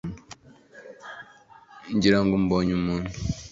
ngira ngo mbonye umuntu .